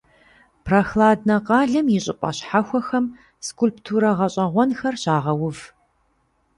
Прохладнэ къалэм и щӀыпӀэ щхьэхуэхэм скульптурэ гъэщӀэгъуэнхэр щагъэув.